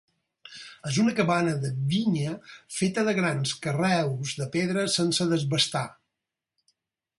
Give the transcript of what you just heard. És una cabana de vinya feta de grans carreus de pedra sense desbastar.